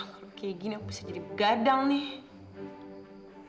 kalau kayak gini aku bisa jadi gadang nih